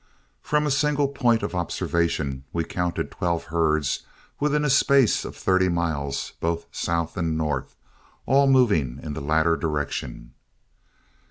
From a single point of observation we counted twelve herds within a space of thirty miles both south and north, all moving in the latter direction.